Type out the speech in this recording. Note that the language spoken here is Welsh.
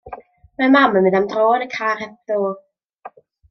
Mae mam yn mynd am dro yn y car heb do.